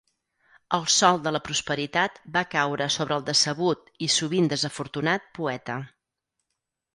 El sol de la prosperitat va caure sobre el decebut i sovint desafortunat poeta.